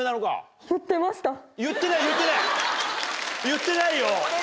言ってないよ。